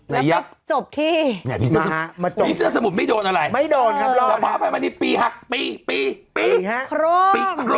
แล้วไปจบที่นี่เสื้อสมุมไม่โดนอะไรพระอภัยมันนี่ปีหักปีปีปีปีโครม